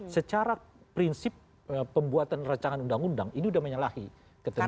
secara prinsip pembuatan rancangan undang undang ini sudah menyalahi ketentuan